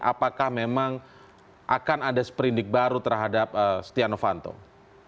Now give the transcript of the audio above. apakah memang akan ada seperindik baru terhadap stiano fantong